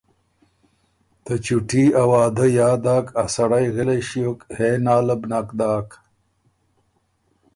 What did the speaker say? ته چُوټي ا وعدۀ یاد داک ا سړئ غلئ ݭیوک، هې نا له نک داک۔